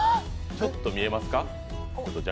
ちょっと見えますか？